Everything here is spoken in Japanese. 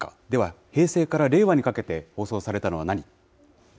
では平成から令和にかけて放送されたのは何？